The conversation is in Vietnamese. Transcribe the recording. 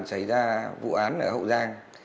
xảy ra vụ án ở hậu giang